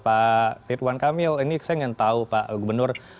pak ridwan kamil ini saya ingin tahu pak gubernur